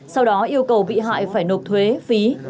sau đó yêu cầu bị hại phải nộp thuế phí